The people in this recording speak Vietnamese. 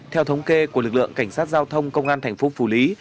theo thống kê của lực lượng cảnh sát giao thông công an tp phủ lý